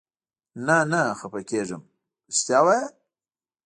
نه، نه خفه کېږم، رښتیا وایې؟